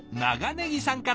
ねぎさんから。